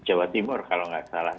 di jawa timur kalau tidak salah